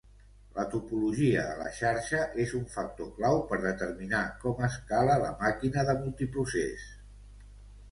La topologia de la xarxa és un factor clau per determinar com escala la màquina de multiprocés.